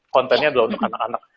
kontennya adalah untuk anak anak